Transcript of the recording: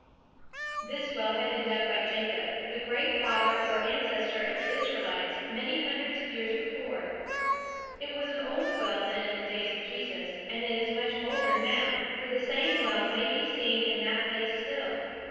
This well had been dug by Jacob, the great father or ancestor of the Israelites, many hundreds of years before. It was an old well then in the days of Jesus; and it is much older now; for the same well may be seen in that place still.